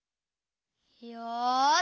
よし！